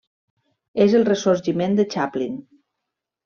És el ressorgiment de Chaplin.